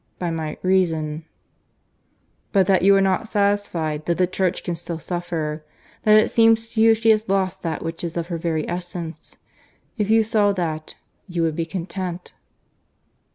"By my reason." "But that you are not satisfied that the Church can still suffer; that it seems to you she has lost that which is of her very essence. If you saw that, you would be content."